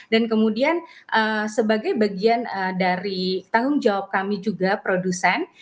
dan kemudian sebagai bagian dari tanggung jawab kami juga produsen